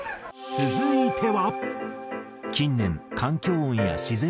続いては。